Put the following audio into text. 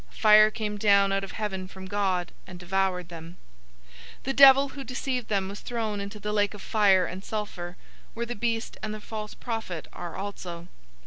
Fire came down out of heaven from God, and devoured them. 020:010 The devil who deceived them was thrown into the lake of fire and sulfur, where the beast and the false prophet are also.